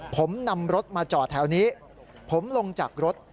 ผมนำรถมาจอดแถวนี้ผมลงจากรถ